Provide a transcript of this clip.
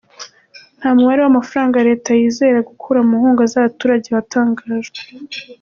Nta mubare w'amafaranga leta yizera gukura mu nkunga z'abaturage watangajwe.